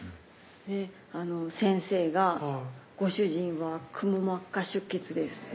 あら先生が「ご主人はくも膜下出血です」